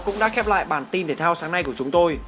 cũng đã khép lại bản tin thể thao sáng nay của chúng tôi